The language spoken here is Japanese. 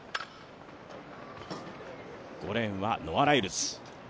５レーンはノア・ライルズ。